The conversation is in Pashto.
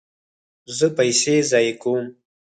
زه پیسې ضایع کوم